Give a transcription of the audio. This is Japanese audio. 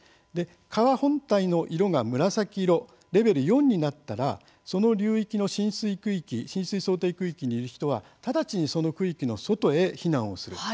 川本体の色が紫色レベル４になったらその流域の浸水区域浸水想定区域にいる人は直ちにその区域の外へ避難をする。